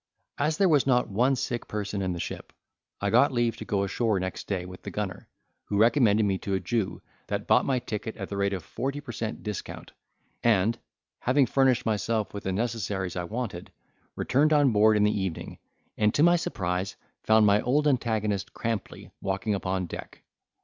As there was not one sick person in the ship, I got leave to go ashore next day with the gunner, who recommended me to a Jew, that bought my ticket at the rate of forty per cent discount; and, having furnished myself with the necessaries I wanted, returned on board in the evening, and, to my surprise, found my old antagonist Crampley walking upon deck.